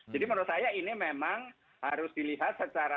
jadi menurut saya ini memang harus dilihat secara